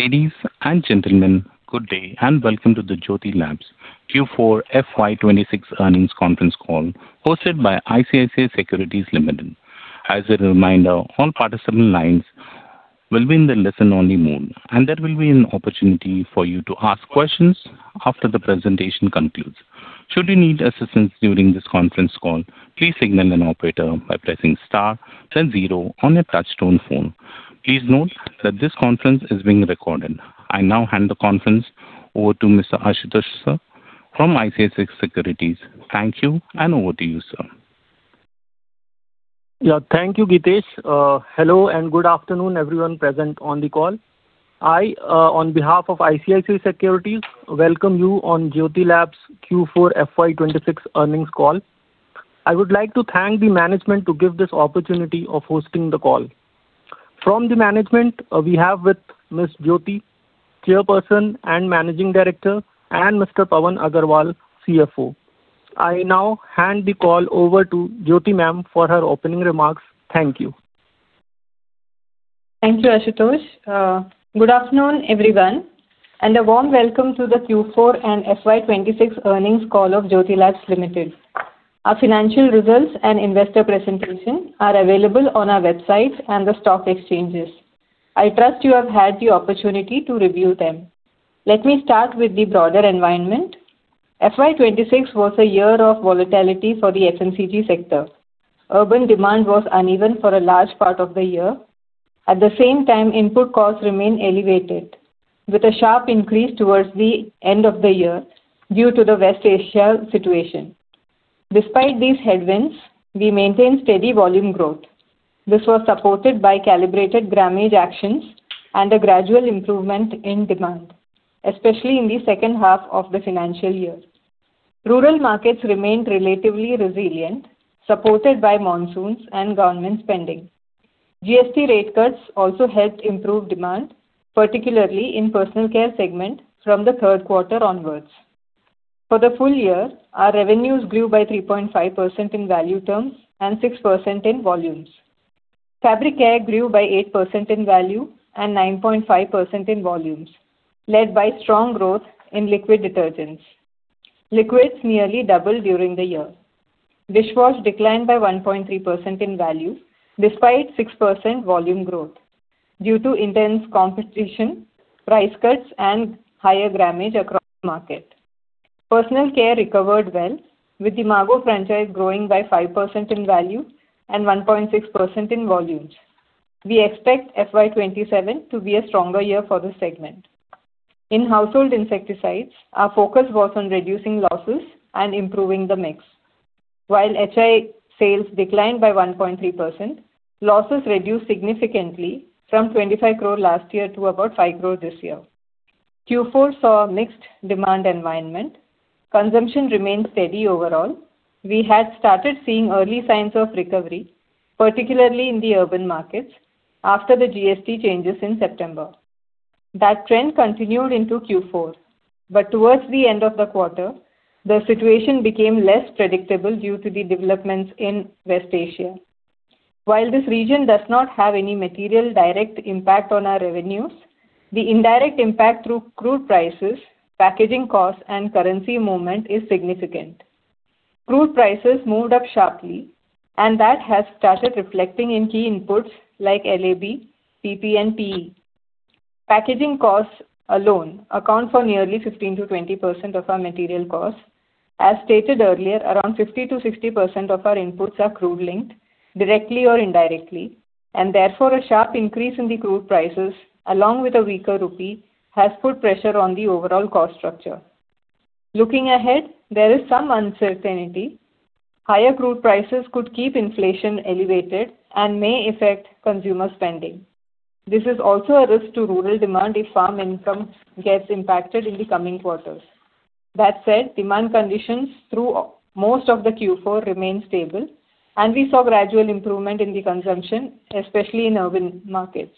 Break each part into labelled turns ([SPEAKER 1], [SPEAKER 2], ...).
[SPEAKER 1] Ladies and gentlemen, good day, and welcome to the Jyothy Labs Q4 FY 2026 earnings conference call hosted by ICICI Securities Limited. As a reminder, all participant lines will be in the listen only mode, and there will be an opportunity for you to ask questions after the presentation concludes. Should you need assistance during this conference call, please signal an operator by pressing star then zero on your touchtone phone. Please note that this conference is being recorded. I now hand the conference over to Mr. Ashutosh, sir from ICICI Securities. Thank you, and over to you, sir.
[SPEAKER 2] Yeah. Thank you, Gitesh. Hello, and good afternoon everyone present on the call. I, on behalf of ICICI Securities, welcome you on Jyothy Labs Q4 FY 2026 earnings call. I would like to thank the management to give this opportunity of hosting the call. From the management, we have with Ms. Jyothy, Chairperson and Managing Director, and Mr. Pawan Agarwal, CFO. I now hand the call over to Jyothy ma'am for her opening remarks. Thank you.
[SPEAKER 3] Thank you, Ashutosh. Good afternoon, everyone, and a warm welcome to the Q4 and FY 2026 earnings call of Jyothy Labs Limited. Our financial results and investor presentation are available on our website and the stock exchanges. I trust you have had the opportunity to review them. Let me start with the broader environment. FY 2026 was a year of volatility for the FMCG sector. Urban demand was uneven for a large part of the year. At the same time, input costs remained elevated, with a sharp increase towards the end of the year due to the West Asia situation. Despite these headwinds, we maintained steady volume growth. This was supported by calibrated grammage actions and a gradual improvement in demand, especially in the second half of the financial year. Rural markets remained relatively resilient, supported by monsoons and government spending. GST rate cuts also helped improve demand, particularly in personal care segment from the third quarter onwards. For the full year, our revenues grew by 3.5% in value terms and 6% in volumes. Fabric care grew by 8% in value and 9.5% in volumes, led by strong growth in liquid detergents. Liquids nearly doubled during the year. Dishwash declined by 1.3% in value despite 6% volume growth due to intense competition, price cuts, and higher grammage across the market. Personal care recovered well, with the Margo franchise growing by 5% in value and 1.6% in volumes. We expect FY 2027 to be a stronger year for this segment. In household insecticides, our focus was on reducing losses and improving the mix. While HI sales declined by 1.3%, losses reduced significantly from 25 crore last year to about 5 crore this year. Q4 saw a mixed demand environment. Consumption remained steady overall. We had started seeing early signs of recovery, particularly in the urban markets after the GST changes in September. That trend continued into Q4, but towards the end of the quarter, the situation became less predictable due to the developments in West Asia. While this region does not have any material direct impact on our revenues, the indirect impact through crude prices, packaging costs, and currency movement is significant. Crude prices moved up sharply, and that has started reflecting in key inputs like LAB, PP, and PE. Packaging costs alone account for nearly 15%-20% of our material costs. As stated earlier, around 50%-60% of our inputs are crude-linked directly or indirectly, and therefore, a sharp increase in the crude prices along with a weaker rupee has put pressure on the overall cost structure. Looking ahead, there is some uncertainty. Higher crude prices could keep inflation elevated and may affect consumer spending. This is also a risk to rural demand if farm income gets impacted in the coming quarters. That said, demand conditions through most of the Q4 remained stable, and we saw gradual improvement in the consumption, especially in urban markets.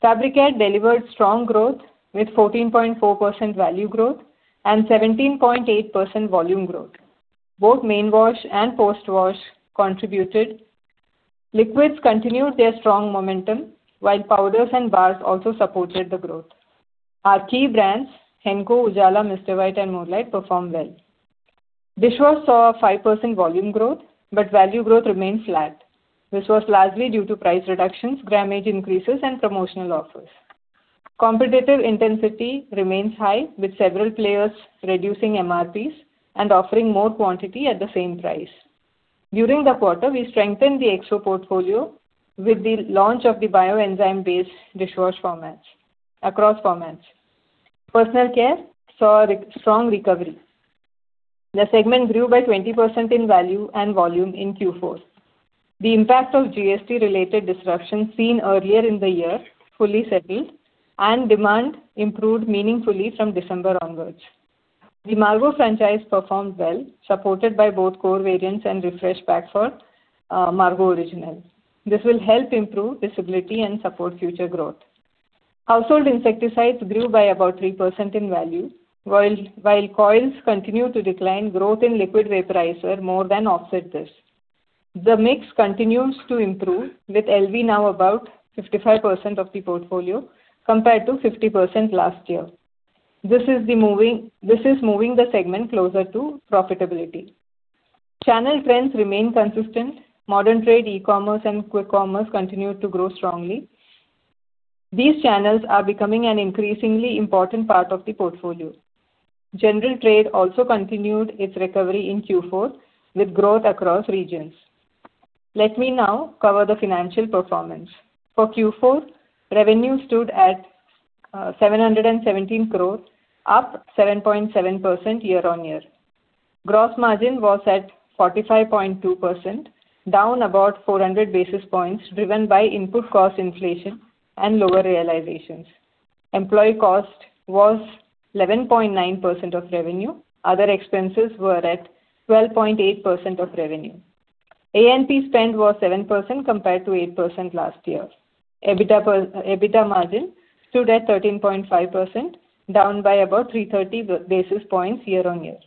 [SPEAKER 3] Fabric care delivered strong growth with 14.4% value growth and 17.8% volume growth. Both mainwash and post-wash contributed. Liquids continued their strong momentum while powders and bars also supported the growth. Our key brands, Henko, Ujala, Mr. White, and Maxo performed well. Dishwash saw a 5% volume growth, but value growth remained flat. This was largely due to price reductions, grammage increases, and promotional offers. Competitive intensity remains high with several players reducing MRPs and offering more quantity at the same price. During the quarter, we strengthened the Exo portfolio with the launch of the bio-enzyme based dishwash formats across formats. Personal care saw a strong recovery. The segment grew by 20% in value and volume in Q4. The impact of GST-related disruption seen earlier in the year fully settled and demand improved meaningfully from December onwards. The Margo franchise performed well, supported by both core variants and refresh pack for Margo Original. This will help improve visibility and support future growth. Household insecticides grew by about 3% in value. While coils continued to decline, growth in liquid vaporizer more than offset this. The mix continues to improve with LV now about 55% of the portfolio compared to 50% last year. This is moving the segment closer to profitability. Channel trends remain consistent. Modern trade, eCommerce, and quick commerce continue to grow strongly. These channels are becoming an increasingly important part of the portfolio. General trade also continued its recovery in Q4 with growth across regions. Let me now cover the financial performance. For Q4, revenue stood at 717 crores, up 7.7% year-on-year. Gross margin was at 45.2%, down about 400 basis points, driven by input cost inflation and lower realizations. Employee cost was 11.9% of revenue. Other expenses were at 12.8% of revenue. A&P spend was 7% compared to 8% last year. EBITDA margin stood at 13.5%, down by about 330 basis points year-on-year.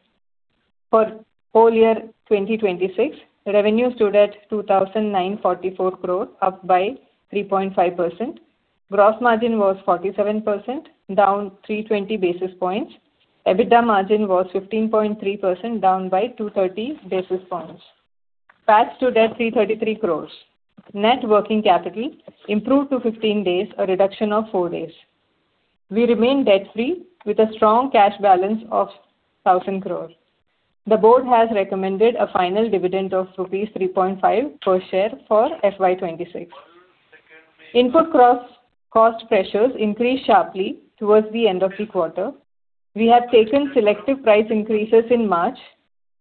[SPEAKER 3] For whole year 2026, revenue stood at 2,944 crores, up by 3.5%. Gross margin was 47%, down 320 basis points. EBITDA margin was 15.3%, down by 230 basis points. Cash stood at 333 crores. Net working capital improved to 15 days, a reduction of four days. We remain debt free with a strong cash balance of 1,000 crores. The board has recommended a final dividend of rupees 3.5 crores per share for FY 2026. Input cost pressures increased sharply towards the end of the quarter. We have taken selective price increases in March,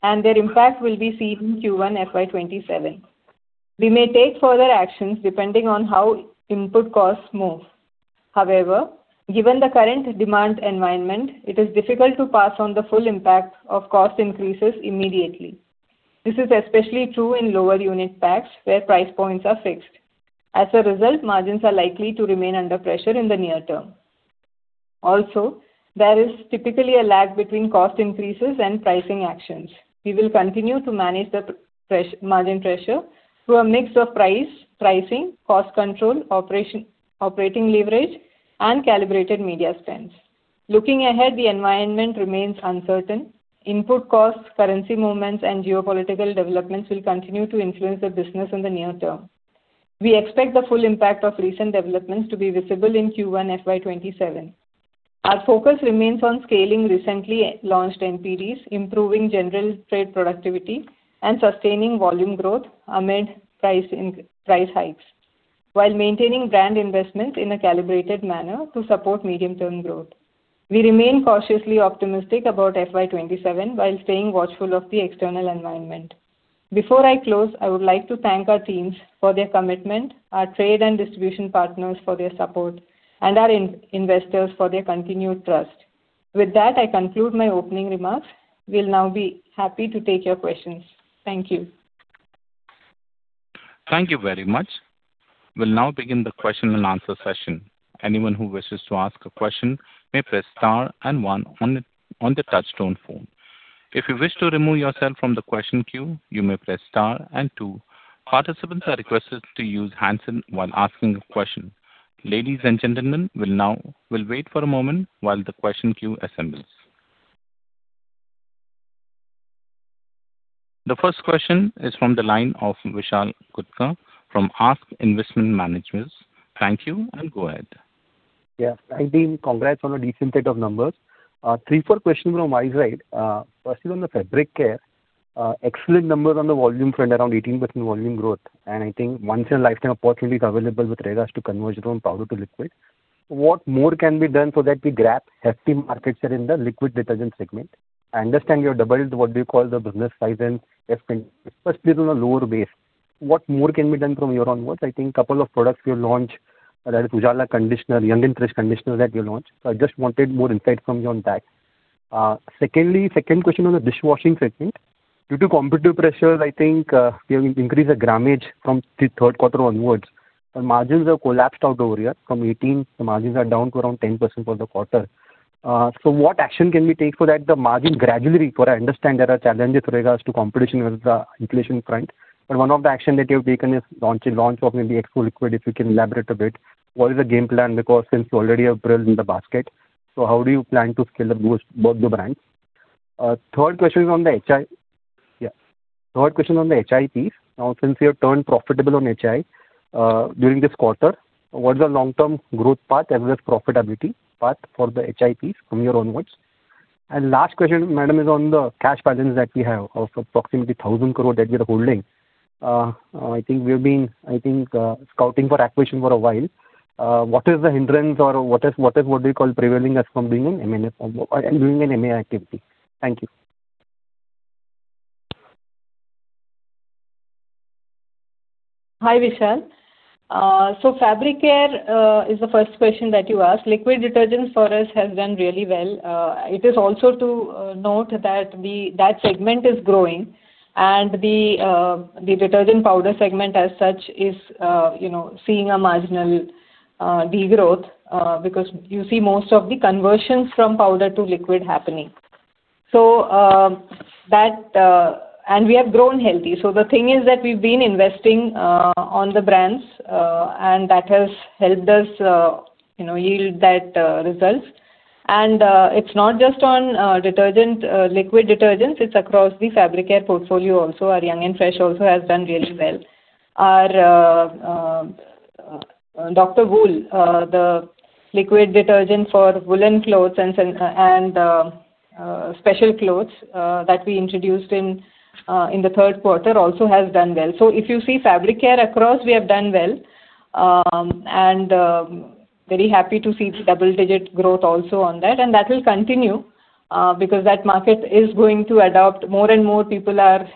[SPEAKER 3] and their impact will be seen in Q1 FY 2027. We may take further actions depending on how input costs move. Given the current demand environment, it is difficult to pass on the full impact of cost increases immediately. This is especially true in lower unit packs where price points are fixed. Margins are likely to remain under pressure in the near term. There is typically a lag between cost increases and pricing actions. We will continue to manage the margin pressure through a mix of pricing, cost control, operating leverage, and calibrated media spends. Looking ahead, the environment remains uncertain. Input costs, currency movements, and geopolitical developments will continue to influence the business in the near term. We expect the full impact of recent developments to be visible in Q1 FY 2027. Our focus remains on scaling recently launched NPDs, improving general trade productivity, and sustaining volume growth amid price hikes, while maintaining brand investment in a calibrated manner to support medium-term growth. We remain cautiously optimistic about FY 2027 while staying watchful of the external environment. Before I close, I would like to thank our teams for their commitment, our trade and distribution partners for their support, and our investors for their continued trust. With that, I conclude my opening remarks. We'll now be happy to take your questions. Thank you.
[SPEAKER 1] Thank you very much. We'll now begin the question and answer session. Anyone who wishes to ask a question may press star and one on the touchtone phone. If you wish to remove yourself from the question queue, you may press star and two. Participants are requested to use hands-on while asking a question. Ladies and gentlemen, we'll wait for a moment while the question queue assembles. The first question is from the line of Vishal Gutka from ASK Investment Managers. Thank you, and go ahead.
[SPEAKER 4] Yeah. Hi, team. Congrats on a decent set of numbers. Three, four questions from my side. Firstly on the fabric care, excellent numbers on the volume front, around 18% volume growth. I think one in a lifetime opportunity is available with regards to conversion from powder to liquid. What more can be done so that we grab hefty market share in the liquid detergent segment? I understand you have doubled what we call the business size and on a lower base. What more can be done from here onwards? I think two products you launched, that is Ujala Conditioner, Young & Fresh Conditioner that you launched. I just wanted more insight from you on that. Secondly, second question on the dishwashing segment. Due to competitive pressures, I think, you have increased the grammage from the third quarter onwards, but margins have collapsed out over here. From 18, the margins are down to around 10% for the quarter. What action can we take so that the margin gradually. For I understand there are challenges with regards to competition with the inflation front. One of the action that you have taken is launch of maybe Exo liquid, if you can elaborate a bit. What is the game plan? Because since you already have Pril in the basket, so how do you plan to scale up both the brands? Third question is on the HI. Yeah. Third question on the HI piece. Now, since you have turned profitable on HI, during this quarter, what's the long-term growth path as well as profitability path for the HI piece from here onwards? Last question, madam, is on the cash balance that we have of approximately 1,000 crore that we are holding. I think we've been scouting for acquisition for a while. What is the hindrance or what is, what do you call, prevailing us from doing an M&A or doing an M&A activity? Thank you.
[SPEAKER 3] Hi, Vishal. Fabric care is the first question that you asked. Liquid detergents for us has done really well. It is also to note that that segment is growing and the detergent powder segment as such is, you know, seeing a marginal degrowth because you see most of the conversions from powder to liquid happening. We have grown healthy. The thing is that we've been investing on the brands and that has helped us, you know, yield that result. It's not just on detergent, liquid detergents, it's across the fabric care portfolio also. Our Young & Fresh also has done really well. Our Dr. Wool, the liquid detergent for woolen clothes and special clothes that we introduced in the third quarter also has done well. If you see fabric care across, we have done well. Very happy to see the double-digit growth also on that. That will continue because that market is going to adopt. More and more people are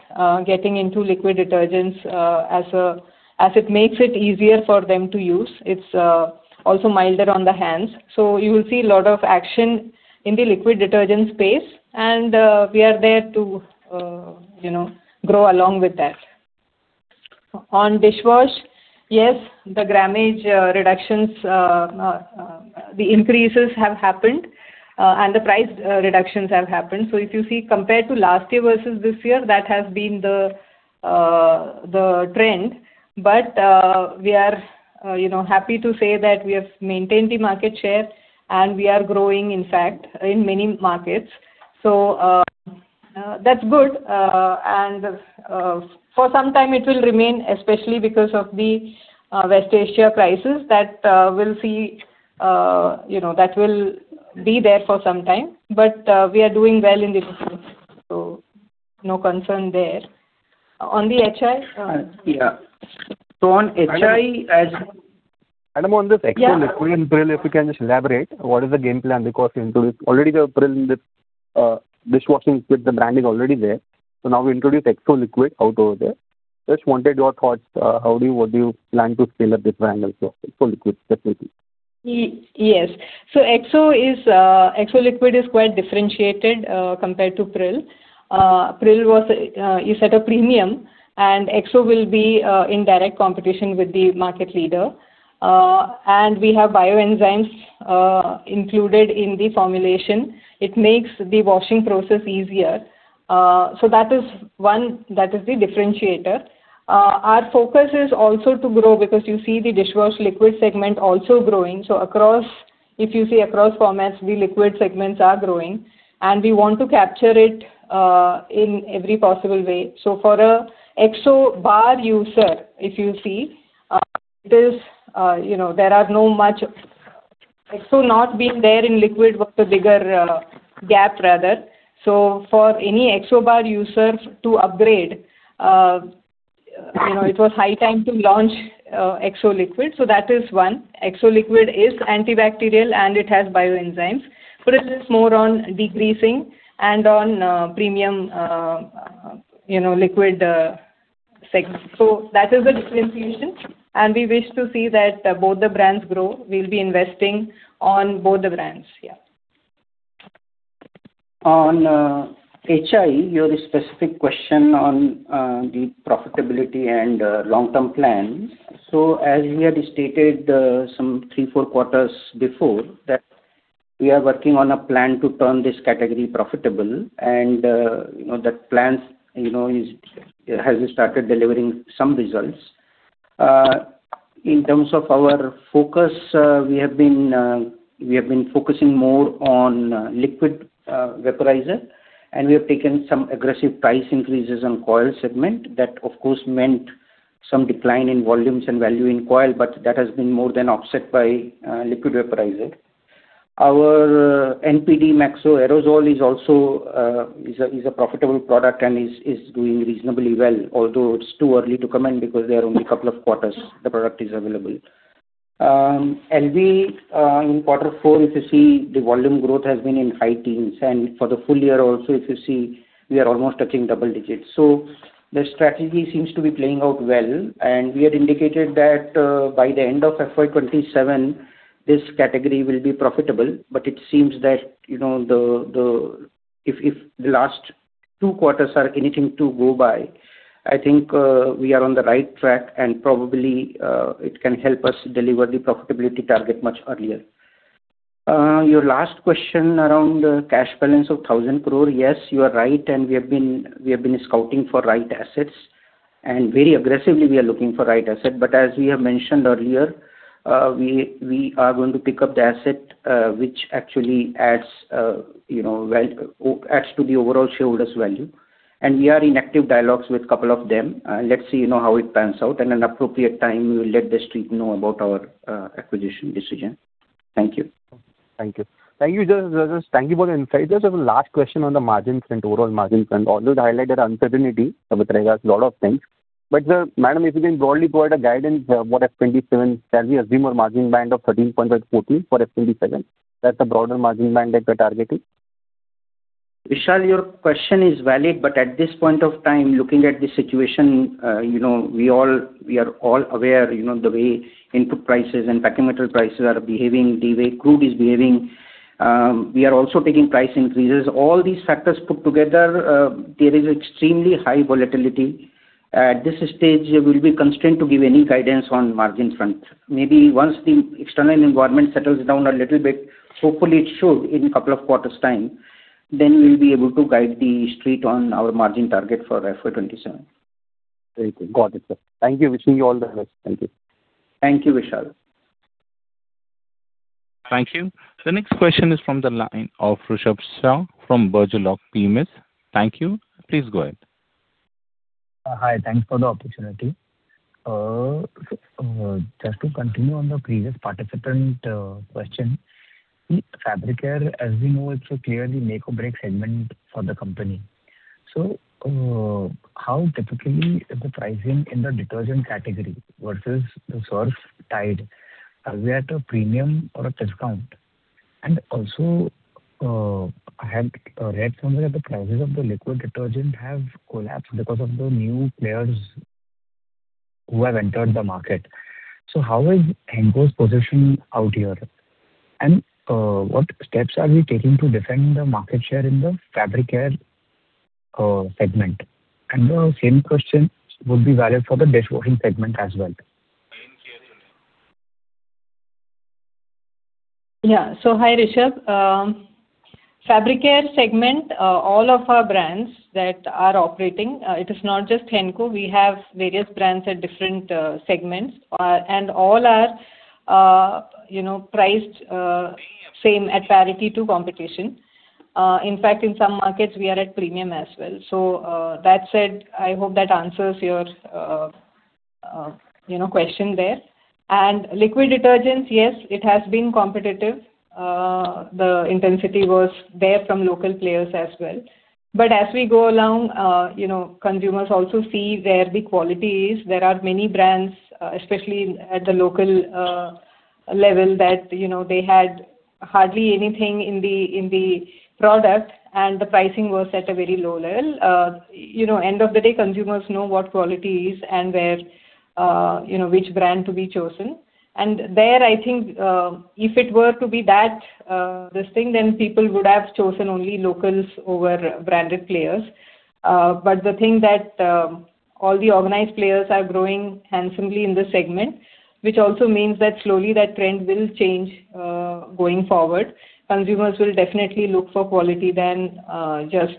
[SPEAKER 3] getting into liquid detergents as it makes it easier for them to use. It's also milder on the hands. You will see a lot of action in the liquid detergent space, and we are there to, you know, grow along with that. On dishwash, yes, the grammage reductions, the increases have happened, and the price reductions have happened. If you see compared to last year versus this year, that has been the trend. We are, you know, happy to say that we have maintained the market share, and we are growing, in fact, in many markets. That's good. For some time it will remain, especially because of the West Asia prices that we'll see, you know, that will be there for some time. We are doing well in the distance, so no concern there. On the HI?
[SPEAKER 4] Yeah. On HI. Madam, on this Exo-
[SPEAKER 3] Yeah.
[SPEAKER 4] Liquid and Pril, if you can just elaborate, what is the game plan because Already the Pril dishwashing liquid, the brand is already there. So now we introduce Exo liquid out over there. Just wanted your thoughts, how do you, what do you plan to scale up this brand also, Exo liquid specifically?
[SPEAKER 3] Yes. Exo is Exo liquid is quite differentiated compared to Pril. Pril was is at a premium, and Exo will be in direct competition with the market leader. We have bio enzymes included in the formulation. It makes the washing process easier. That is one, that is the differentiator. Our focus is also to grow because you see the dishwash liquid segment also growing. Across, if you see across formats, the liquid segments are growing, and we want to capture it in every possible way. For a Exo bar user, if you see, it is, you know, Exo not being there in liquid was the bigger gap rather. For any Exo bar user to upgrade, you know, it was high time to launch Exo liquid. That is one. Exo liquid is antibacterial and it has bio enzymes. Pril is more on degreasing and on, premium, you know, liquid, seg. That is the differentiation, and we wish to see that both the brands grow. We'll be investing on both the brands. Yeah.
[SPEAKER 5] On HI, your specific question on the profitability and long-term plans. As we had stated, some three, four quarters before, that we are working on a plan to turn this category profitable and that plan has started delivering some results. In terms of our focus, we have been focusing more on liquid vaporizer, and we have taken some aggressive price increases on coil segment. That of course meant some decline in volumes and value in coil, but that has been more than offset by liquid vaporizer. Our NPD Maxo aerosol is also a profitable product and is doing reasonably well, although it's too early to comment because there are only a couple of quarters the product is available. LV, in Q4, if you see, the volume growth has been in high teens. For the full year also, if you see, we are almost touching double digits. The strategy seems to be playing out well. We had indicated that by the end of FY 2027, this category will be profitable. It seems that, you know, if the last two quarters are anything to go by, I think, we are on the right track and probably it can help us deliver the profitability target much earlier. Your last question around cash balance of 1,000 crore. Yes, you are right. We have been scouting for right assets, and very aggressively we are looking for right asset. As we have mentioned earlier, we are going to pick up the asset, which actually adds, you know, well, adds to the overall shareholders' value. We are in active dialogues with couple of them. Let's see, you know, how it pans out. In an appropriate time, we will let the street know about our acquisition decision. Thank you.
[SPEAKER 4] Thank you. Thank you. Just thank you for the insight. Just a last question on the margin front, overall margin front. Although the highlighted uncertainty, Savitra has lot of things. Madam, if you can broadly provide a guidance for FY 2027. Can we assume a margin band of 13.4%-14% for FY 2027? That's a broader margin band that we're targeting.
[SPEAKER 5] Vishal, your question is valid, but at this point of time, looking at the situation, you know, we all, we are all aware, you know, the way input prices and packing material prices are behaving, the way crude is behaving. We are also taking price increases. All these factors put together, there is extremely high volatility. At this stage, we'll be constrained to give any guidance on margin front. Maybe once the external environment settles down a little bit, hopefully it should in two quarters time, then we'll be able to guide the street on our margin target for FY 2027.
[SPEAKER 4] Very good. Got it, sir. Thank you. Wishing you all the best. Thank you.
[SPEAKER 5] Thank you, Vishal.
[SPEAKER 1] Thank you. The next question is from the line of Rushabh Shah from BugleRock PMS. Thank you. Please go ahead.
[SPEAKER 6] Hi. Thanks for the opportunity. Just to continue on the previous participant question. Fabricare, as we know, it's a clearly make or break segment for the company. How typically is the pricing in the detergent category versus the Surf tide? Are we at a premium or a discount? Also, I had read somewhere the prices of the liquid detergent have collapsed because of the new players who have entered the market. How is Henko's position out here? What steps are we taking to defend the market share in the Fabricare segment? The same question would be valid for the dishwashing segment as well.
[SPEAKER 3] Hi, Rishabh. Fabricare segment, all of our brands that are operating, it is not just Henko. We have various brands at different segments. All are, you know, priced same at parity to competition. In fact, in some markets we are at premium as well. That said, I hope that answers your, you know, question there. Liquid detergents, yes, it has been competitive. The intensity was there from local players as well. As we go along, you know, consumers also see where the quality is. There are many brands, especially at the local level that, you know, they had hardly anything in the product, and the pricing was at a very low level. You know, end of the day, consumers know what quality is and where, you know, which brand to be chosen. There, I think, if it were to be that, this thing, then people would have chosen only locals over branded players. The thing that, all the organized players are growing handsomely in this segment, which also means that slowly that trend will change, going forward. Consumers will definitely look for quality than, just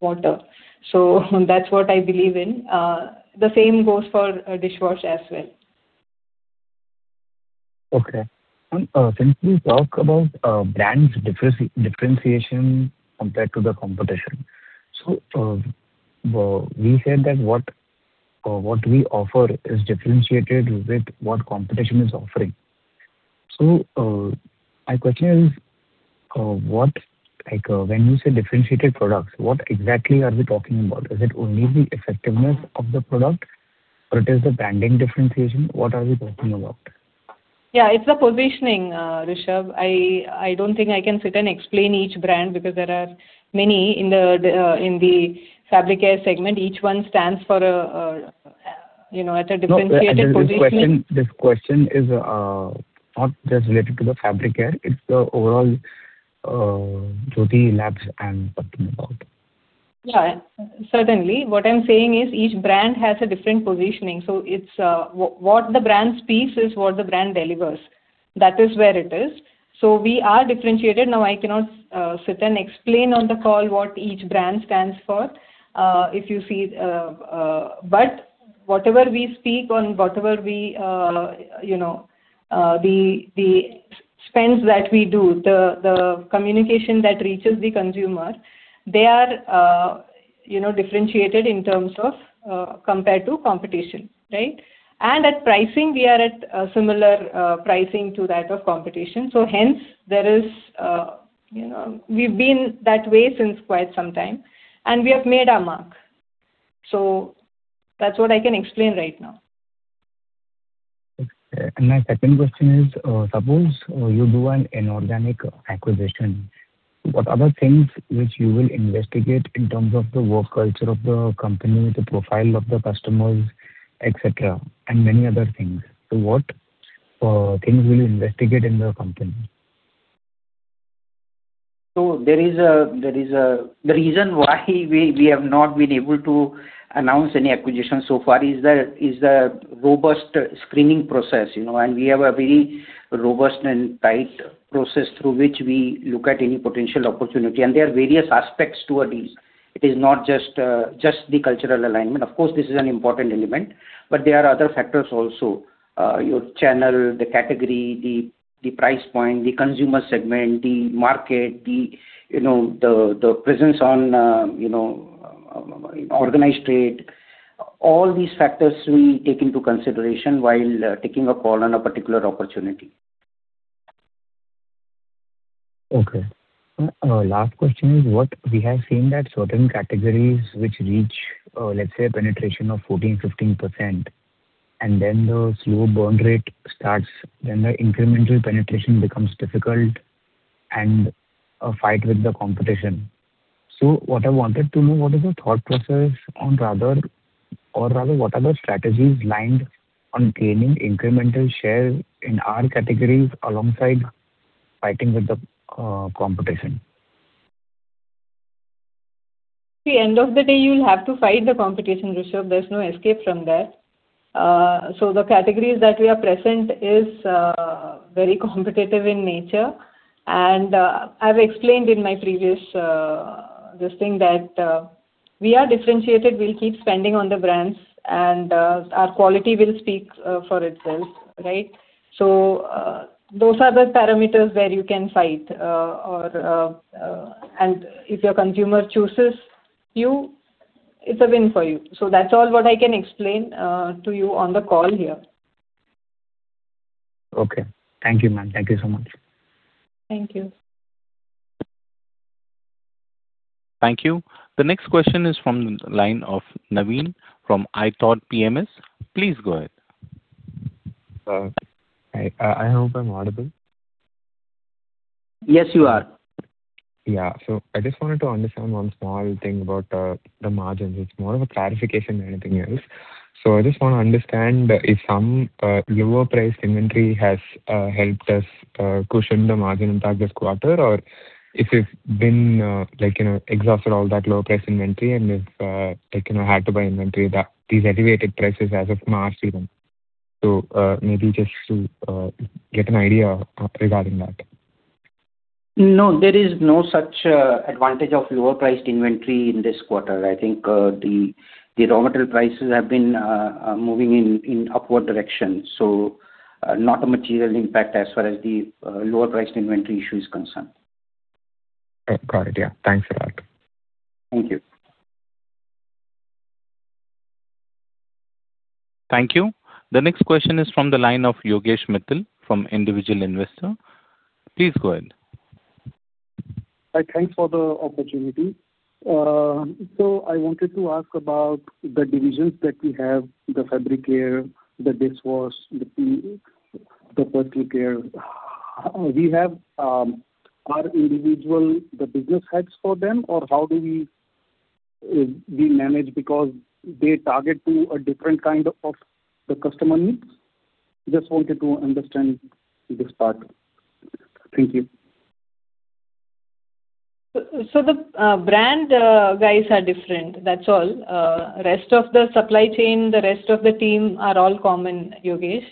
[SPEAKER 3] water. That's what I believe in. The same goes for, dishwash as well.
[SPEAKER 6] Okay. Since we talk about brands differentiation compared to the competition, we said that what we offer is differentiated with what competition is offering. My question is, what, like, when you say differentiated products, what exactly are we talking about? Is it only the effectiveness of the product or it is the branding differentiation? What are we talking about?
[SPEAKER 3] Yeah, it's the positioning, Rishabh. I don't think I can sit and explain each brand because there are many in the Fabricare segment. Each one stands for a, you know, at a differentiated position.
[SPEAKER 6] This question is not just related to the Fabricare, it's the overall Jyothy Labs I'm talking about.
[SPEAKER 3] Yeah. Certainly. What I'm saying is each brand has a different positioning. It's what the brand speaks is what the brand delivers. That is where it is. We are differentiated. Now, I cannot sit and explain on the call what each brand stands for, if you see. Whatever we speak on, whatever we, you know, the spends that we do, the communication that reaches the consumer, they are, you know, differentiated in terms of compared to competition, right? At pricing, we are at similar pricing to that of competition. We've been that way since quite some time, and we have made our mark. That's what I can explain right now.
[SPEAKER 6] Okay. My second question is, suppose you do an inorganic acquisition, what other things which you will investigate in terms of the work culture of the company, the profile of the customers, et cetera, and many other things? What things will you investigate in the company?
[SPEAKER 5] The reason why we have not been able to announce any acquisition so far is the robust screening process, you know. We have a very robust and tight process through which we look at any potential opportunity. There are various aspects to it. It is not just the cultural alignment. Of course, this is an important element, but there are other factors also. Your channel, the category, the price point, the consumer segment, the market, the, you know, the presence on, you know, organized trade. All these factors we take into consideration while taking a call on a particular opportunity.
[SPEAKER 6] Okay. Last question is what we have seen that certain categories which reach, let's say a penetration of 14%, 15%, and then the slow burn rate starts, then the incremental penetration becomes difficult and a fight with the competition. What I wanted to know, what is the thought process on rather, or rather what are the strategies lined on gaining incremental share in our categories alongside fighting with the competition?
[SPEAKER 3] The end of the day, you'll have to fight the competition, Rishabh. There's no escape from that. The categories that we are present is very competitive in nature, I've explained in my previous this thing that we are differentiated. We'll keep spending on the brands our quality will speak for itself, right? Those are the parameters where you can fight or if your consumer chooses you, it's a win for you. That's all what I can explain to you on the call here.
[SPEAKER 6] Okay. Thank you, ma'am. Thank you so much.
[SPEAKER 3] Thank you.
[SPEAKER 1] Thank you. The next question is from the line of Naveen from ITI PMS. Please go ahead.
[SPEAKER 7] I hope I'm audible.
[SPEAKER 5] Yes, you are.
[SPEAKER 7] Yeah. I just wanted to understand one small thing about the margins. It's more of a clarification than anything else. I just wanna understand if some lower priced inventory has helped us cushion the margin impact this quarter or if it's been, like, you know, exhausted all that lower priced inventory and if, like, you know, had to buy inventory that these elevated prices as of March even. Maybe just to get an idea regarding that.
[SPEAKER 5] No, there is no such advantage of lower priced inventory in this quarter. I think the raw material prices have been moving in upward direction, so not a material impact as far as the lower priced inventory issue is concerned.
[SPEAKER 7] Got it. Yeah. Thanks a lot.
[SPEAKER 5] Thank you.
[SPEAKER 1] Thank you. The next question is from the line of Yogesh Mittal from Individual Investor. Please go ahead.
[SPEAKER 8] Hi. Thanks for the opportunity. So I wanted to ask about the divisions that we have, the fabric care, the dish wash, the clean, the personal care. Have we our individual, the business heads for them or how do we manage? Because they target to a different kind of the customer needs. Just wanted to understand this part. Thank you.
[SPEAKER 3] The brand guys are different. That's all. Rest of the supply chain, the rest of the team are all common, Yogesh.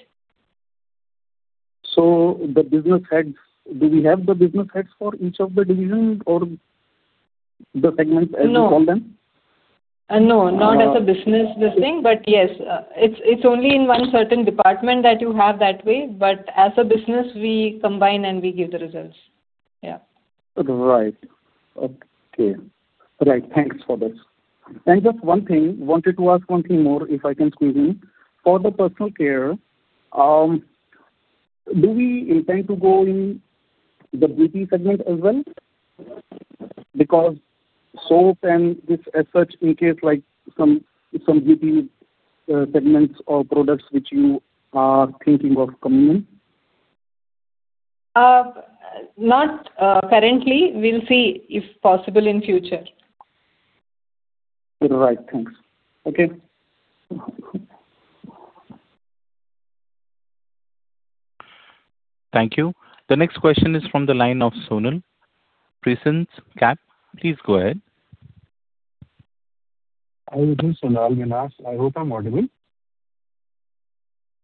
[SPEAKER 8] The business heads, do we have the business heads for each of the divisions or the segments?
[SPEAKER 3] No
[SPEAKER 8] As you call them?
[SPEAKER 3] No. Not as a business, this thing. Yes, it's only in one certain department that you have that way, but as a business, we combine and we give the results. Yeah.
[SPEAKER 8] Right. Okay. Right. Thanks for this. Just one thing, wanted to ask one thing more, if I can squeeze in. For the personal care, do we intend to go in the beauty segment as well? Soap and this as such indicates like some beauty segments or products which you are thinking of coming in.
[SPEAKER 3] Not currently. We'll see if possible in future.
[SPEAKER 8] Right. Thanks. Okay.
[SPEAKER 1] Thank you. The next question is from the line of Sonal, Prescient Capital. Please go ahead.
[SPEAKER 9] Hi, good morning, Sonal Minhas. I hope I'm audible.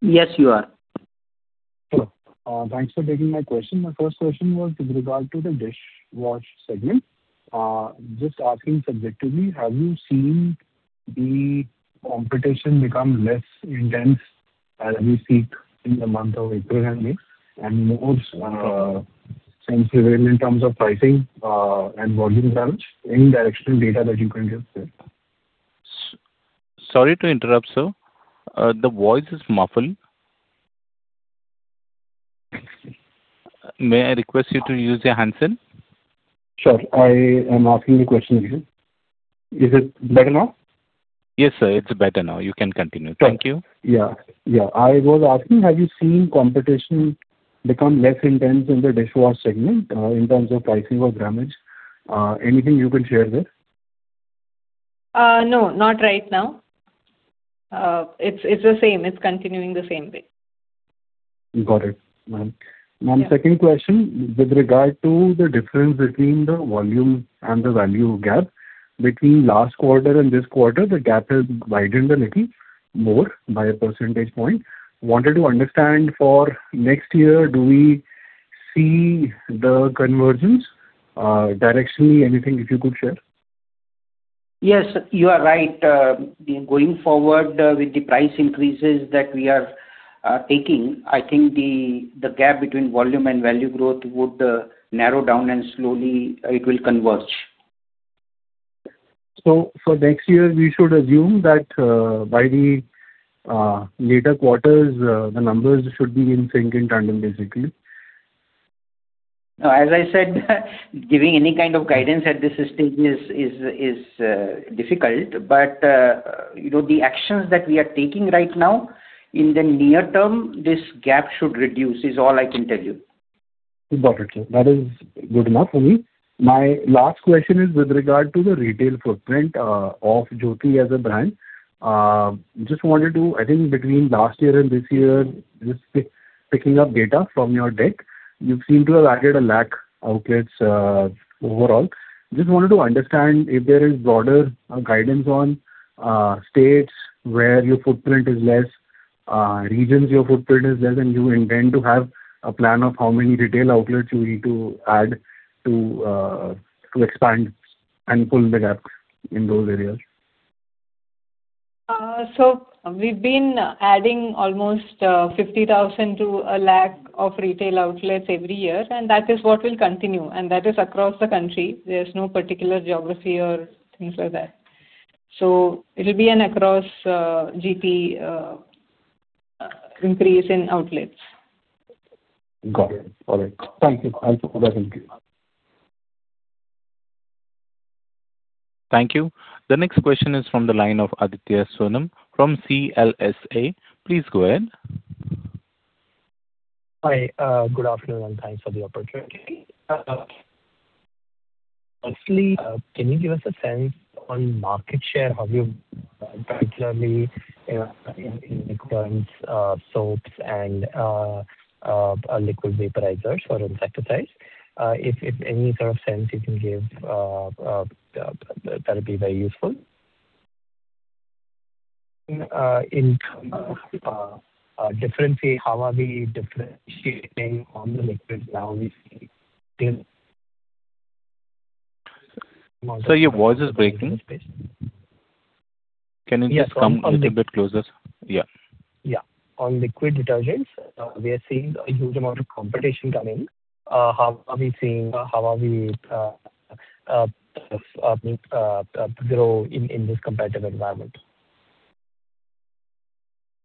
[SPEAKER 5] Yes, you are.
[SPEAKER 9] Hello. Thanks for taking my question. My first question was with regard to the dish wash segment. Just asking subjectively, have you seen the competition become less intense as we speak in the month of April and May, and more sense therein in terms of pricing, and volume damage, any directional data that you can give, sir?
[SPEAKER 1] Sorry to interrupt, sir. The voice is muffled.
[SPEAKER 9] Thanks.
[SPEAKER 1] May I request you to use a handset?
[SPEAKER 9] Sure. I am asking the question again. Is it better now?
[SPEAKER 1] Yes, sir. It is better now. You can continue.
[SPEAKER 9] Sure.
[SPEAKER 1] Thank you.
[SPEAKER 9] Yeah. Yeah. I was asking, have you seen competition become less intense in the dish wash segment, in terms of pricing or damage? Anything you can share there?
[SPEAKER 3] No, not right now. It's the same. It's continuing the same way.
[SPEAKER 9] Got it, ma'am.
[SPEAKER 3] Yeah.
[SPEAKER 9] Ma'am, second question. With regard to the difference between the volume and the value gap between last quarter and this quarter, the gap has widened a little more by 1 percentage point. Wanted to understand for next year, do we see the convergence directionally anything that you could share?
[SPEAKER 5] Yes, you are right. Going forward with the price increases that we are taking, I think the gap between volume and value growth would narrow down and slowly it will converge.
[SPEAKER 9] For next year, we should assume that, by the later quarters, the numbers should be in sync in tandem, basically?
[SPEAKER 5] As I said, giving any kind of guidance at this stage is difficult. You know, the actions that we are taking right now, in the near term, this gap should reduce, is all I can tell you.
[SPEAKER 9] Got it, sir. That is good enough for me. My last question is with regard to the retail footprint of Jyothy as a brand. I think between last year and this year, just picking up data from your deck, you seem to have added 1 lakh outlets overall. Just wanted to understand if there is broader guidance on states where your footprint is less, regions your footprint is less, and you intend to have a plan of how many retail outlets you need to add to expand and pull the gaps in those areas.
[SPEAKER 3] We've been adding almost 50,000 lakh-1 lakh of retail outlets every year, and that is what will continue. That is across the country. There's no particular geography or things like that. It'll be an across GP increase in outlets.
[SPEAKER 9] Got it. All right. Thank you. Further, thank you.
[SPEAKER 1] Thank you. The next question is from the line of Aditya Soman from CLSA. Please go ahead.
[SPEAKER 10] Hi, good afternoon, and thanks for the opportunity. Firstly, can you give us a sense on market share, how you, particularly, you know, in liquids, soaps and liquid vaporizers or insecticides? If any sort of sense you can give, that'd be very useful. In terms of, differentiate, how are we differentiating on the liquid ‑
[SPEAKER 1] Sir, your voice is breaking.
[SPEAKER 10] Yes.
[SPEAKER 1] Can you just come a little bit closer? Yeah.
[SPEAKER 10] Yeah. On liquid detergents, we are seeing a huge amount of competition come in. How are we grow in this competitive environment?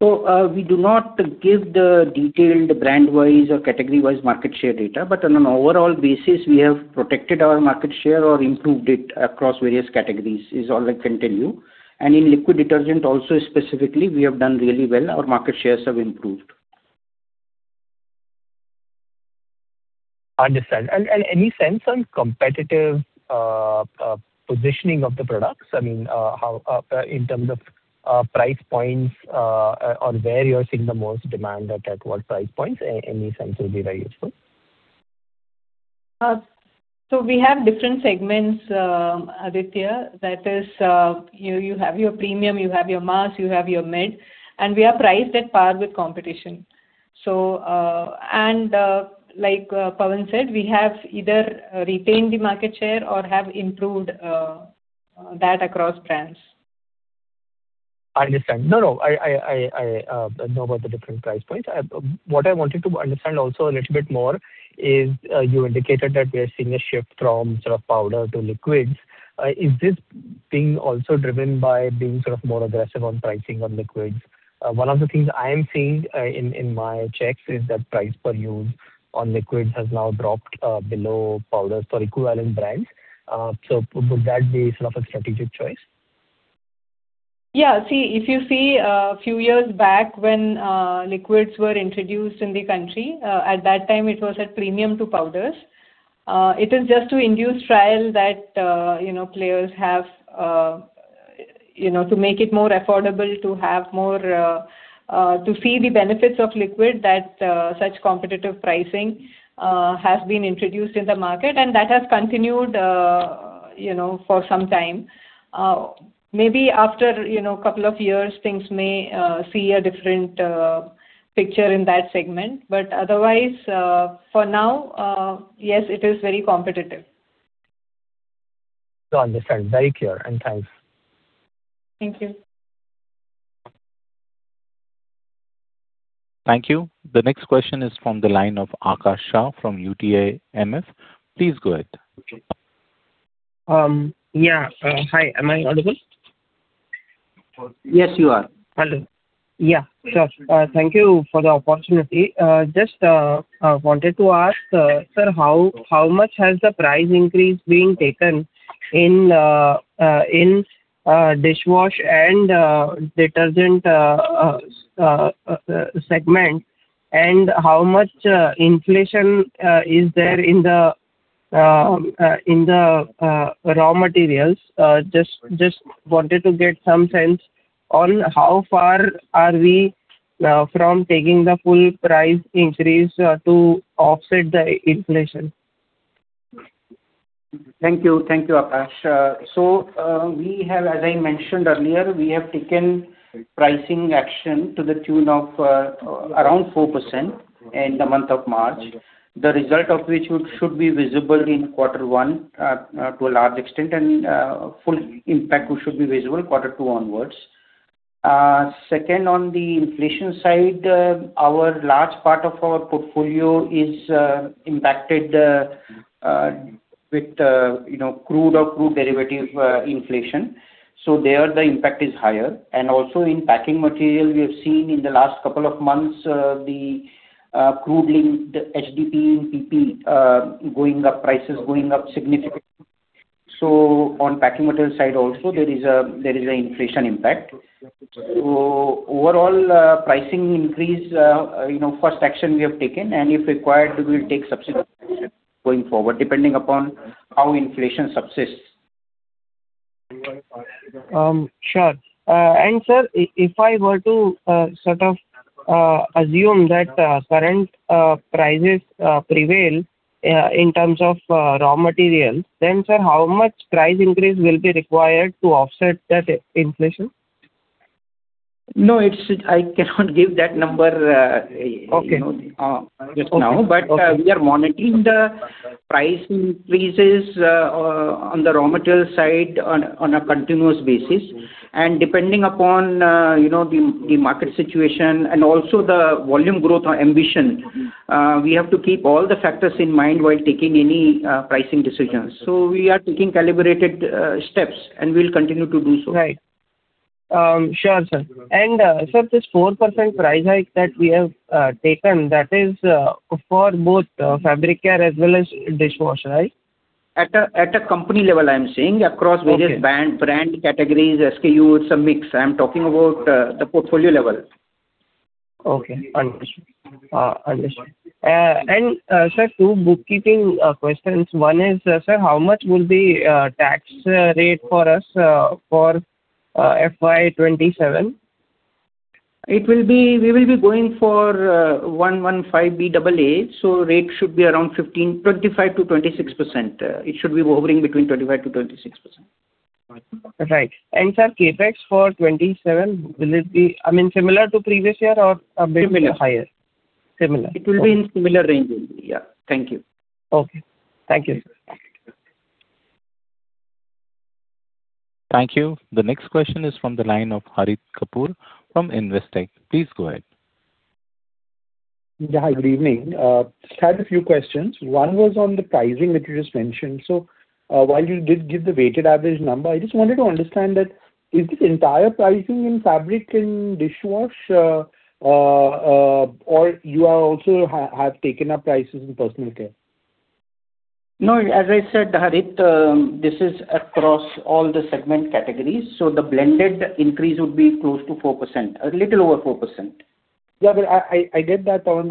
[SPEAKER 5] We do not give the detailed brand-wise or category-wise market share data, but on an overall basis, we have protected our market share or improved it across various categories, is all I can tell you. In liquid detergent also specifically, we have done really well. Our market shares have improved.
[SPEAKER 10] Understand. Any sense on competitive positioning of the products? I mean, how in terms of price points, or where you're seeing the most demand or at what price points? Any sense will be very useful.
[SPEAKER 3] We have different segments, Aditya. That is, you have your premium, you have your mass, you have your mid, and we are priced at par with competition. Like, Pawan said, we have either retained the market share or have improved that across brands.
[SPEAKER 10] Understand. No, no, I know about the different price points. What I wanted to understand also a little bit more is, you indicated that we are seeing a shift from sort of powder to liquids. Is this being also driven by being sort of more aggressive on pricing on liquids? One of the things I am seeing, in my checks is that price per use on liquids has now dropped below powders for equivalent brands. Would that be sort of a strategic choice?
[SPEAKER 3] If you see, a few years back when liquids were introduced in the country, at that time it was at premium to powders. It is just to induce trial that, you know, players have, you know, to make it more affordable to have more, to see the benefits of liquid that such competitive pricing has been introduced in the market, and that has continued, you know, for some time. Maybe after, you know, couple of years, things may see a different picture in that segment. Otherwise, for now, yes, it is very competitive.
[SPEAKER 10] Now I understand. Very clear, and thanks.
[SPEAKER 3] Thank you.
[SPEAKER 1] Thank you. The next question is from the line of Akash Shah from UTI MF. Please go ahead.
[SPEAKER 11] Yeah. Hi. Am I audible?
[SPEAKER 5] Yes, you are.
[SPEAKER 11] Hello. Yeah, sure. Thank you for the opportunity. Just wanted to ask, sir, how much has the price increase been taken in dishwash and detergent segment? How much inflation is there in the raw materials? Just wanted to get some sense on how far are we from taking the full price increase to offset the inflation.
[SPEAKER 5] Thank you. Thank you, Akash. We have, as I mentioned earlier, we have taken pricing action to the tune of around 4% in the month of March. The result of which should be visible in quarter one to a large extent, and full impact should be visible quarter two onwards. Second, on the inflation side, our large part of our portfolio is impacted with, you know, crude or crude derivative inflation. There the impact is higher. Also in packing material, we have seen in the last couple of months, the crude link, the HDPE and PP, going up, prices going up significantly. On packing material side also there is a inflation impact. Overall, pricing increase, you know, first action we have taken, and if required, we will take subsequent action going forward, depending upon how inflation subsists.
[SPEAKER 11] Sure. Sir, if I were to sort of assume that current prices prevail in terms of raw materials, then sir, how much price increase will be required to offset that inflation?
[SPEAKER 5] No, I cannot give that number.
[SPEAKER 11] Okay
[SPEAKER 5] You know, just now.
[SPEAKER 11] Okay. Okay.
[SPEAKER 5] We are monitoring the price increases, on the raw material side on a continuous basis. Depending upon, you know, the market situation and also the volume growth ambition, we have to keep all the factors in mind while taking any pricing decisions. We are taking calibrated steps, and we'll continue to do so.
[SPEAKER 11] Right. sure, sir. Sir, this 4% price hike that we have, taken, that is, for both, fabric care as well as dishwasher, right?
[SPEAKER 5] At a company level, I'm saying.
[SPEAKER 11] Okay
[SPEAKER 5] Various brand categories, SKUs, it's a mix. I'm talking about the portfolio level.
[SPEAKER 11] Okay. Understood. Sir, two bookkeeping questions. One is, sir, how much will be tax rate for us for FY 2027?
[SPEAKER 5] We will be going for 115BAA, rate should be around 25%-26%. It should be hovering between 25%-26%.
[SPEAKER 11] Right. Sir, CapEx for 2027, will it be, I mean, similar to previous year or a bit higher?
[SPEAKER 5] Similar.
[SPEAKER 11] Similar. Okay.
[SPEAKER 5] It will be in similar range only. Yeah. Thank you.
[SPEAKER 11] Okay. Thank you.
[SPEAKER 1] Thank you. The next question is from the line of Harit Kapoor from Investec. Please go ahead.
[SPEAKER 12] Yeah, good evening. Just had a few questions. One was on the pricing that you just mentioned. While you did give the weighted average number, I just wanted to understand that is this entire pricing in fabric and dishwash or you are also have taken up prices in personal care?
[SPEAKER 5] No, as I said, Harit, this is across all the segment categories, so the blended increase would be close to 4%, a little over 4%.
[SPEAKER 12] I get that, Pawan,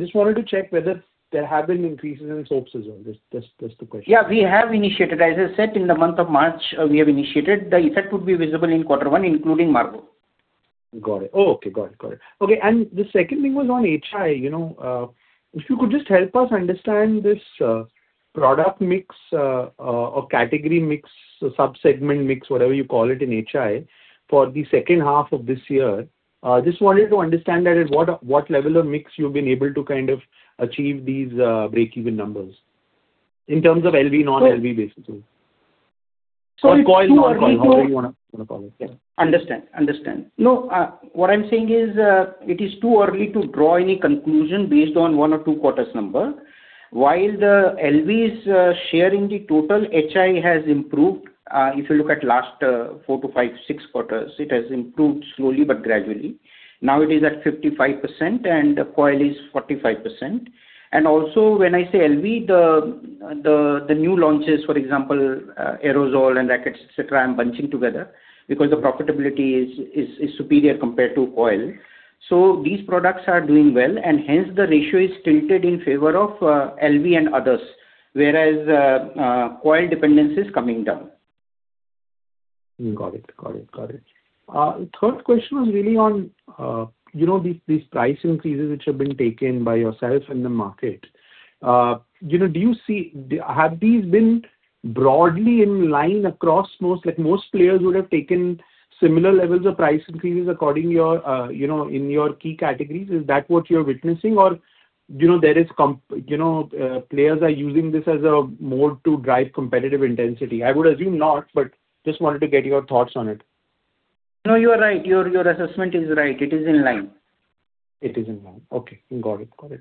[SPEAKER 12] just wanted to check whether there have been increases in soaps as well. That's the question.
[SPEAKER 5] We have initiated. As I said, in the month of March, we have initiated. The effect would be visible in quarter one, including Margo.
[SPEAKER 12] Got it. Okay, got it. Got it. Okay, the second thing was on HI. You know, if you could just help us understand this product mix, or category mix, sub-segment mix, whatever you call it in HI, for the second half of this year. Just wanted to understand that at what level of mix you've been able to kind of achieve these break-even numbers. In terms of LV, non-LV basis only.
[SPEAKER 5] It's too early.
[SPEAKER 12] Coil, non-coil, however you wanna call it. Yeah.
[SPEAKER 5] Understand. No, what I'm saying is, it is too early to draw any conclusion based on one or two quarters number. While the LV share in the total HI has improved, if you look at last 4-5-6 quarters, it has improved slowly but gradually. Now it is at 55%, and coil is 45%. Also, when I say LV, the new launches, for example, aerosol and rackets, et cetera, I'm bunching together because the profitability is superior compared to coil. These products are doing well, and hence the ratio is tilted in favor of LV and others, whereas coil dependence is coming down.
[SPEAKER 12] Got it. third question was really on, you know, these price increases which have been taken by yourself in the market. you know, do you see? Have these been broadly in line across most? Like most players would have taken similar levels of price increases according your, you know, in your key categories. Is that what you're witnessing? Or, you know, there is, you know, players are using this as a mode to drive competitive intensity. I would assume not, but just wanted to get your thoughts on it.
[SPEAKER 5] No, you are right. Your assessment is right. It is in line.
[SPEAKER 12] It is in line. Okay. Got it. Got it.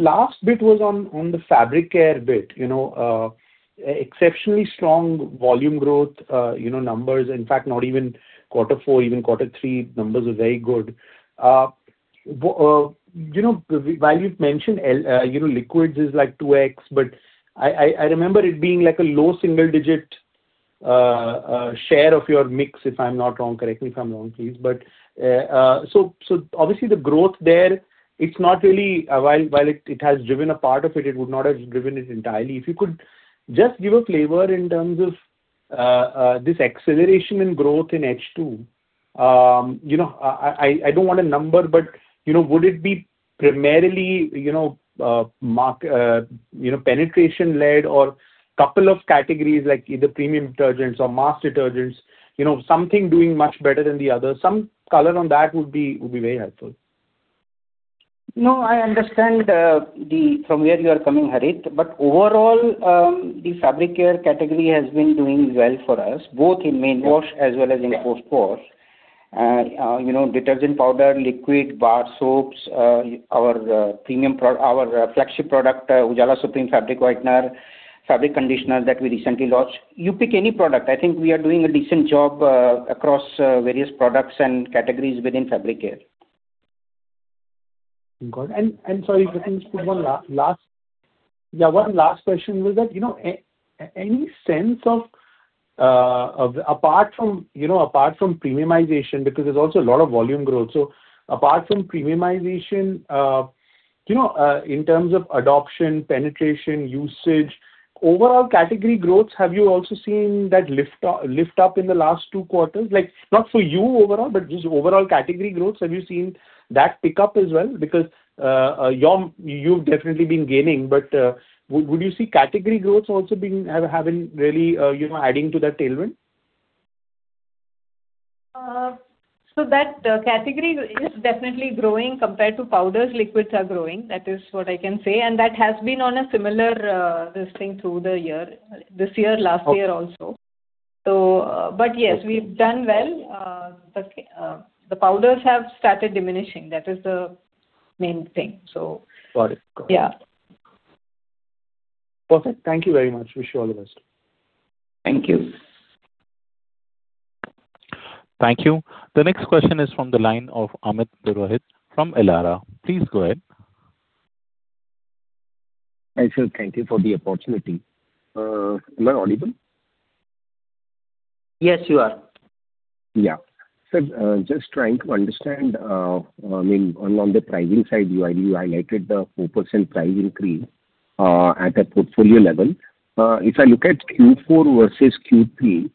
[SPEAKER 12] Last bit was on the fabric care bit. You know, exceptionally strong volume growth, you know, numbers. In fact, not even Q4, even Q3 numbers were very good. You know, while you've mentioned, you know, liquids is like 2x, but I remember it being like a low single digit share of your mix, if I'm not wrong. Correct me if I'm wrong, please. Obviously the growth there, it's not really. While it has driven a part of it would not have driven it entirely. If you could just give a flavor in terms of this acceleration in growth in H2. You know, I don't want a number, but, you know, would it be primarily, you know, penetration-led or couple of categories like either premium detergents or mass detergents, you know, something doing much better than the other. Some color on that would be, would be very helpful.
[SPEAKER 5] No, I understand from where you are coming, Harit. Overall, the fabric care category has been doing well for us, both in main wash as well as in post-wash. You know, detergent powder, liquid, bar soaps, our flagship product, Ujala Supreme Fabric Whitener, fabric conditioner that we recently launched. You pick any product, I think we are doing a decent job across various products and categories within fabric care.
[SPEAKER 12] Got it. Sorry, Pratin, one last, yeah, one last question was that, any sense of apart from premiumization, because there's also a lot of volume growth. Apart from premiumization, in terms of adoption, penetration, usage, overall category growth, have you also seen that lift up in the last two quarters? Not for you overall, but just overall category growth, have you seen that pick up as well? You've definitely been gaining, but would you see category growth also have been really adding to that tailwind?
[SPEAKER 3] That category is definitely growing. Compared to powders, liquids are growing. That is what I can say. That has been on a similar, this thing through the year. This year, last year also.
[SPEAKER 12] Okay.
[SPEAKER 3] Yes, we've done well. The powders have started diminishing. That is the main thing, so.
[SPEAKER 12] Got it. Got it.
[SPEAKER 3] Yeah.
[SPEAKER 12] Perfect. Thank you very much. Wish you all the best.
[SPEAKER 3] Thank you.
[SPEAKER 1] Thank you. The next question is from the line of Amit Purohit from Elara. Please go ahead.
[SPEAKER 13] Hi, sir. Thank you for the opportunity. Am I audible?
[SPEAKER 5] Yes, you are.
[SPEAKER 13] Yeah. Just trying to understand, I mean, on the pricing side, you highlighted the 4% price increase at a portfolio level. If I look at Q4 versus Q3,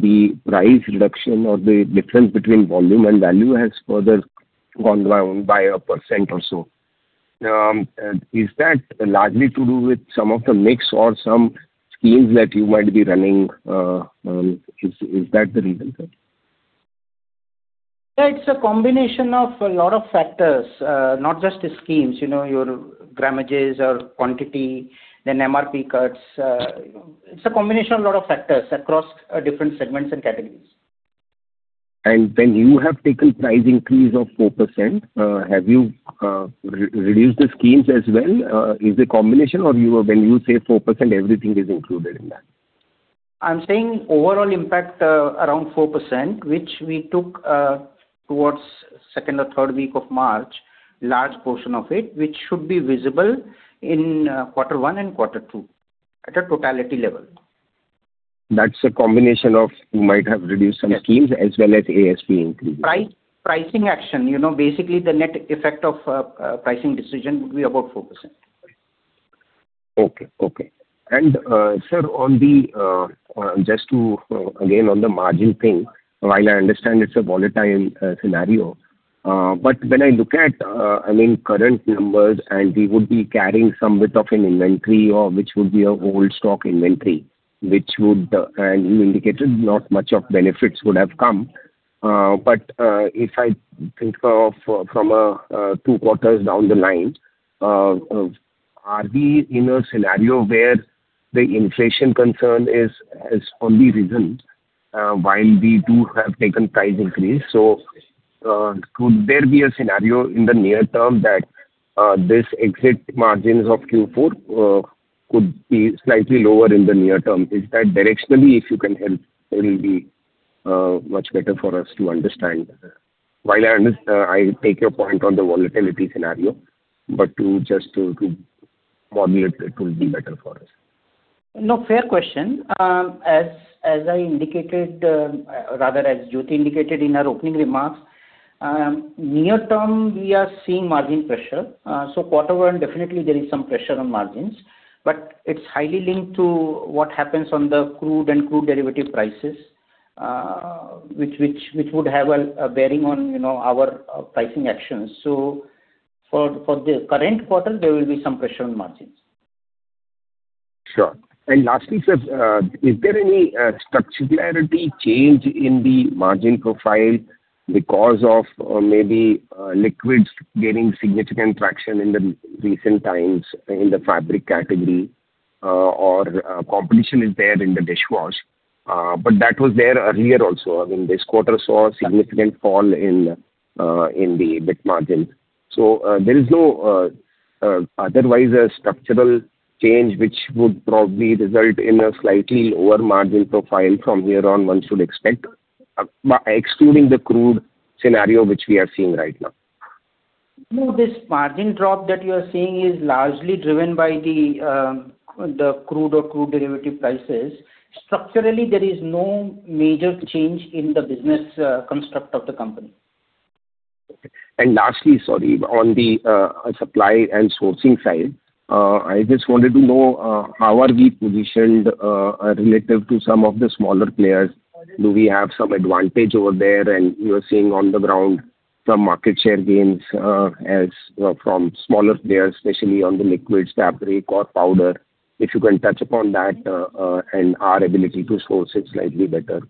[SPEAKER 13] the price reduction or the difference between volume and value has further gone down by 1% or so. Is that largely to do with some of the mix or some schemes that you might be running? Is that the reason, sir?
[SPEAKER 5] Yeah, it's a combination of a lot of factors, not just the schemes. You know, your gramages or quantity, then MRP cuts. You know, it's a combination of a lot of factors across different segments and categories.
[SPEAKER 13] When you have taken price increase of 4%, have you re-reduced the schemes as well? Is it combination or you, when you say 4%, everything is included in that?
[SPEAKER 5] I'm saying overall impact, around 4%, which we took, towards second or third week of March, large portion of it, which should be visible in, quarter one and quarter two at a totality level.
[SPEAKER 13] That's a combination of you might have reduced some schemes as well as ASP increase.
[SPEAKER 5] Pricing action. You know, basically the net effect of pricing decision would be about 4%.
[SPEAKER 13] Okay. Okay. Sir, on the, just to, again, on the margin thing, while I understand it's a volatile scenario, but when I look at, I mean, current numbers and we would be carrying some bit of an inventory or which would be a old stock inventory, which would, and you indicated not much of benefits would have come. If I think of, from a, two quarters down the line, are we in a scenario where the inflation concern is, has only risen, while we do have taken price increase? Could there be a scenario in the near term that, this exit margins of Q4, could be slightly lower in the near term? Is that directionally if you can help, it'll be much better for us to understand. While I take your point on the volatility scenario, but to just to formulate it will be better for us.
[SPEAKER 5] No, fair question. As I indicated, rather as Jyothy indicated in her opening remarks, near term, we are seeing margin pressure. Definitely there is some pressure on margins, but it's highly linked to what happens on the crude and crude derivative prices, which would have a bearing on, you know, our pricing actions. For the current quarter, there will be some pressure on margins.
[SPEAKER 13] Sure. Lastly, sir, is there any structural clarity change in the margin profile because of maybe liquids gaining significant traction in the recent times in the fabric category, or competition is there in the dishwash? That was there earlier also. I mean, this quarter saw a significant fall in the EBITDA margin. There is no, otherwise a structural change which would probably result in a slightly lower margin profile from here on, one should expect, by excluding the crude scenario which we are seeing right now.
[SPEAKER 5] This margin drop that you are seeing is largely driven by the crude or crude derivative prices. Structurally, there is no major change in the business construct of the company.
[SPEAKER 13] Okay. Lastly, sorry, on the supply and sourcing side, I just wanted to know how are we positioned relative to some of the smaller players? Do we have some advantage over there? You are seeing on the ground some market share gains as from smaller players, especially on the liquids, fabric or powder. If you can touch upon that and our ability to source it slightly better,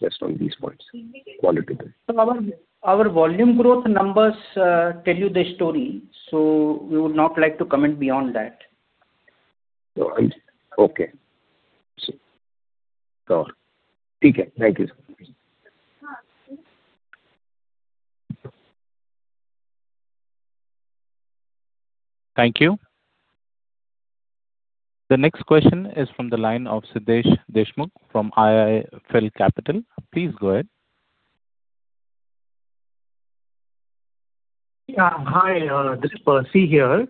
[SPEAKER 13] just on these points qualitatively.
[SPEAKER 5] Our volume growth numbers tell you the story, so we would not like to comment beyond that.
[SPEAKER 13] All right. Okay. Sure. Thank you.
[SPEAKER 1] Thank you. The next question is from the line of Siddhesh Deshmukh from IIFL Capital. Please go ahead.
[SPEAKER 14] Yeah. Hi, this is Percy here.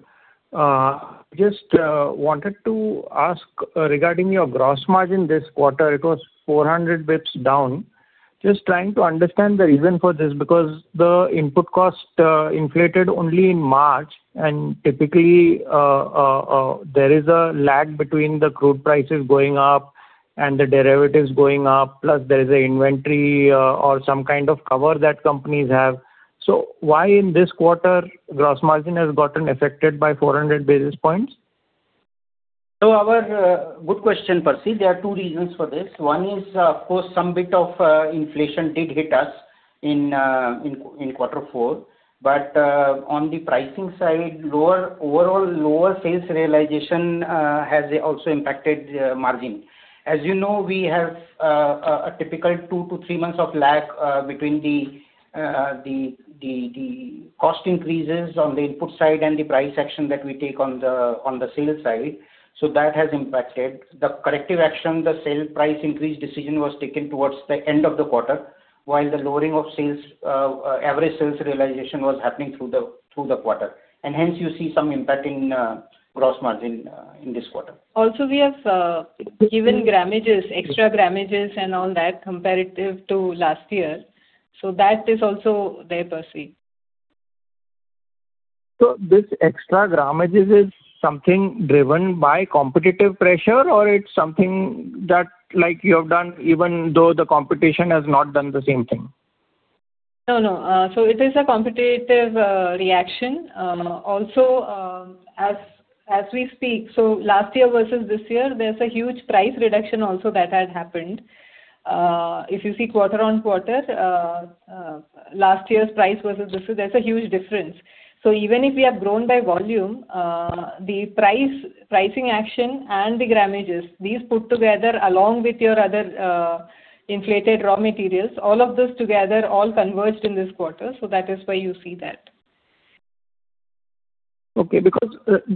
[SPEAKER 14] Just wanted to ask regarding your gross margin this quarter, it was 400 basis points down. Just trying to understand the reason for this, because the input cost inflated only in March, and typically, there is a lag between the crude prices going up and the derivatives going up, plus there is an inventory, or some kind of cover that companies have. Why in this quarter gross margin has gotten affected by 400 basis points?
[SPEAKER 5] Good question, Percy. There are two reasons for this. One is, of course, some bit of inflation did hit us in quarter four. On the pricing side, overall lower sales realization has also impacted margin. As you know, we have a typical 2-3 months of lag between the cost increases on the input side and the price action that we take on the sales side. That has impacted. The corrective action, the sale price increase decision was taken towards the end of the quarter, while the lowering of sales average sales realization was happening through the quarter. Hence you see some impact in gross margin in this quarter.
[SPEAKER 3] We have given grammages, extra grammages and all that comparative to last year, so that is also there, Percy.
[SPEAKER 14] This extra grammage is something driven by competitive pressure, or it's something that you have done even though the competition has not done the same thing?
[SPEAKER 3] No, no. It is a competitive reaction. Also, as we speak, last year versus this year, there's a huge price reduction also that had happened. If you see quarter on quarter, last year's price versus this year, there's a huge difference. Even if we have grown by volume, the price, pricing action and the gramages, these put together along with your other inflated raw materials, all of this together all converged in this quarter, that is why you see that.
[SPEAKER 14] Okay.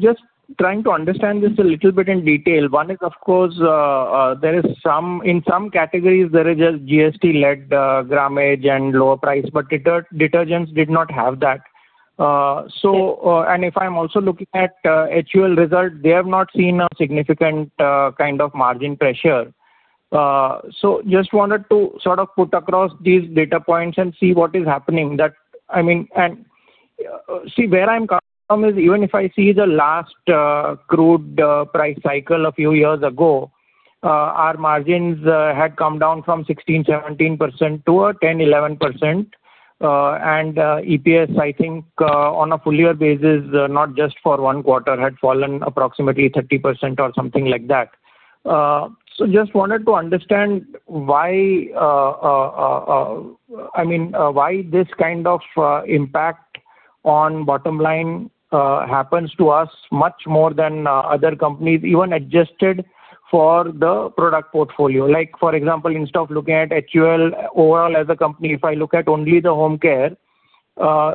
[SPEAKER 14] Just trying to understand this a little bit in detail. One is, of course, there is some, in some categories there is a GST-led, grammage and lower price, but detergents did not have that.
[SPEAKER 3] Yes.
[SPEAKER 14] If I'm also looking at HUL results, they have not seen a significant kind of margin pressure. Just wanted to sort of put across these data points and see what is happening that, I mean, see, where I'm coming from is even if I see the last crude price cycle a few years ago, our margins had come down from 16%, 17%-10%, 11%. EPS, I think, on a full year basis, not just for one quarter, had fallen approximately 30% or something like that. Just wanted to understand why, I mean, why this kind of impact on bottom line happens to us much more than other companies, even adjusted for the product portfolio. Like for example, instead of looking at HUL overall as a company, if I look at only the home care,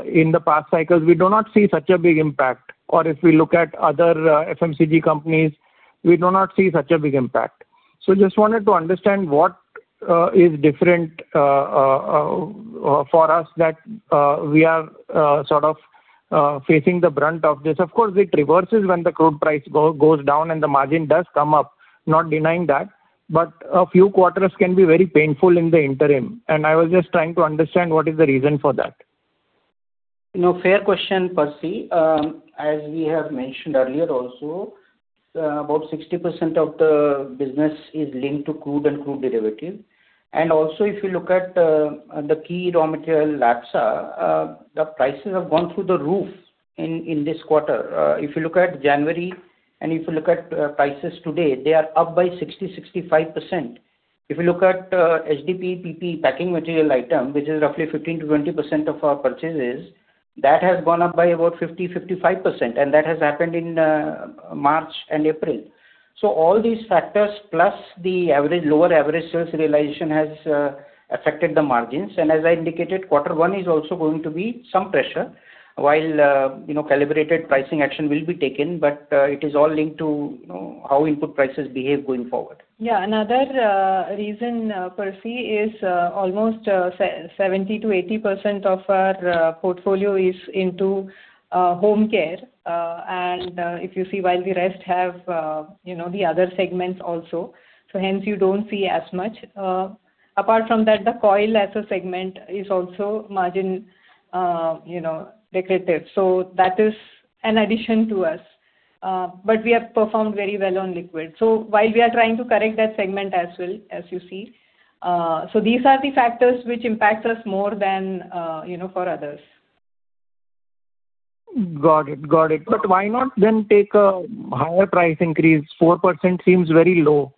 [SPEAKER 14] in the past cycles, we do not see such a big impact. If we look at other FMCG companies, we do not see such a big impact. Just wanted to understand what is different for us that we are sort of facing the brunt of this. Of course, it reverses when the crude price goes down and the margin does come up. Not denying that. A few quarters can be very painful in the interim, and I was just trying to understand what is the reason for that.
[SPEAKER 5] No, fair question, Percy. As we have mentioned earlier also, about 60% of the business is linked to crude and crude derivative. Also, if you look at the key raw material, LABSA, the prices have gone through the roof in this quarter. If you look at January and if you look at prices today, they are up by 60%-65%. If you look at HDPE, PP packing material item, which is roughly 15%-20% of our purchases, that has gone up by about 50%-55%, and that has happened in March and April. All these factors, plus the lower average sales realization has affected the margins. As I indicated, quarter one is also going to be some pressure while, you know, calibrated pricing action will be taken, but, it is all linked to, you know, how input prices behave going forward.
[SPEAKER 3] Yeah. Another reason, Percy, is almost 70%-80% of our portfolio is into home care. If you see, while the rest have, you know, the other segments also, hence you don't see as much. Apart from that, the coil as a segment is also margin, you know, negative. That is an addition to us. But we have performed very well on liquid. While we are trying to correct that segment as well, as you see, these are the factors which impact us more than, you know, for others.
[SPEAKER 14] Got it. Got it. Why not then take a higher price increase? 4% seems very low.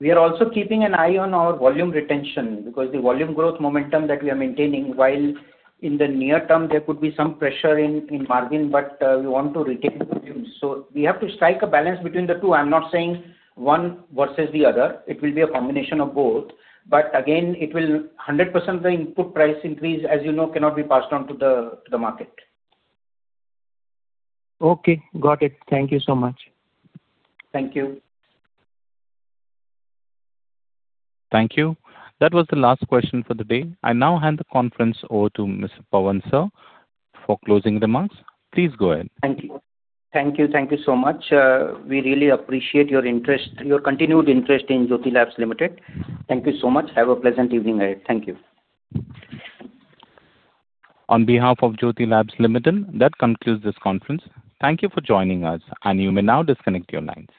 [SPEAKER 5] We are also keeping an eye on our volume retention because the volume growth momentum that we are maintaining, while in the near term there could be some pressure in margin, but we want to retain volumes. We have to strike a balance between the two. I am not saying one versus the other. It will be a combination of both. Again, 100% the input price increase, as you know, cannot be passed on to the market.
[SPEAKER 14] Okay, got it. Thank you so much.
[SPEAKER 5] Thank you.
[SPEAKER 1] Thank you. That was the last question for the day. I now hand the conference over to Mr. Pawan, sir, for closing remarks. Please go ahead.
[SPEAKER 5] Thank you. Thank you. Thank you so much. We really appreciate your interest, your continued interest in Jyothy Labs Limited. Thank you so much. Have a pleasant evening ahead. Thank you.
[SPEAKER 1] On behalf of Jyothy Labs Limited, that concludes this conference. Thank you for joining us, and you may now disconnect your lines.